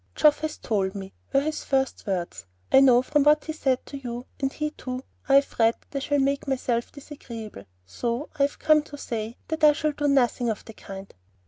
"Geoff has told me," were his first words. "I know from what he said that you, and he too, are afraid that I shall make myself disagreeable; so I've come in to say that I shall do nothing of the kind."